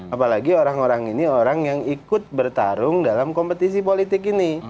apalagi orang orang ini orang yang ikut bertarung dalam kompetisi politik ini